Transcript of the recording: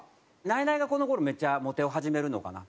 ナイナイがこの頃『めちゃモテ』を始めるのかな。